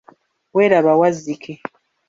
Weraba Wazzike.